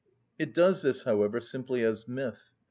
It does this, however, simply as myth.